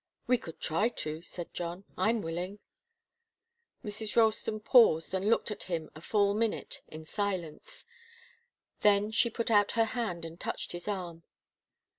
"We could try to," said John. "I'm willing." Mrs. Ralston paused and looked at him a full minute in silence. Then she put out her hand and touched his arm.